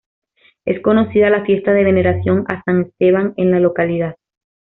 Es conocida la fiesta de veneración a San Esteban en la localidad.